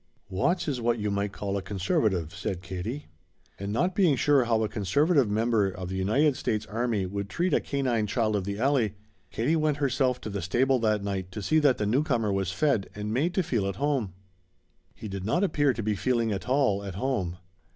"Watts is what you might call a conservative," said Katie. And not being sure how a conservative member of the United States Army would treat a canine child of the alley, Katie went herself to the stable that night to see that the newcomer was fed and made to feel at home. He did not appear to be feeling at all at home.